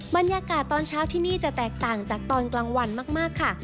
บรรยากาศตอนเช้าที่นี่จะแตกต่างจากตอนกลางวันมากค่ะ